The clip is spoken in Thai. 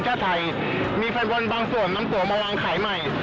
ซึ่งมีราคาสูงขึ้นกว่าเดิมเป็นจำนวนมาก